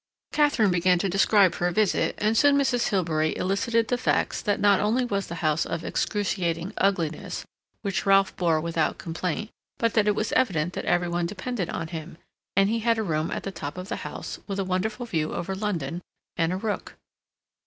Katharine began to describe her visit, and soon Mrs. Hilbery elicited the facts that not only was the house of excruciating ugliness, which Ralph bore without complaint, but that it was evident that every one depended on him, and he had a room at the top of the house, with a wonderful view over London, and a rook.